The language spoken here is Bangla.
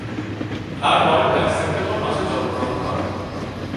তার বড় ভাই সেপ্টেম্বর মাসে জন্মগ্রহণ করে।